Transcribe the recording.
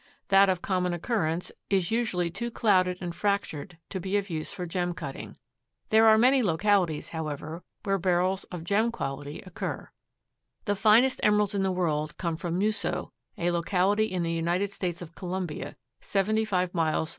That of common occurrence is usually too clouded and fractured to be of use for gem cutting. There are many localities, however, where Beryls of gem quality occur. The finest emeralds in the world come from Muso, a locality in the United States of Colombia, seventy five miles N.